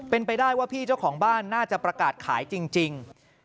เป็นไปได้ว่าพี่เจ้าของบ้านน่าจะประกาศขายจริง